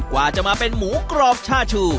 ว่าจะมาเป็นหมูกรอบชาชู